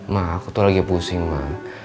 mak aku tuh lagi pusing ma